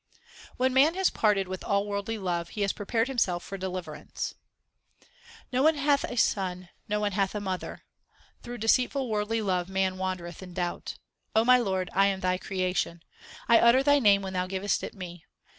When man has parted with all worldly love, he has prepared himself for deliverance : No one hath a son, no one hath a mother. 1 Through deceitful worldly love man wandereth in doubt. my Lord, I am Thy creation ; 1 utter Thy name when Thou givest it me.